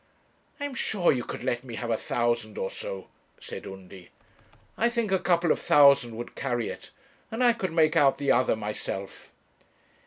'I am sure you could let me have a thousand or so,' said Undy. 'I think a couple of thousand would carry it, and I could make out the other myself.'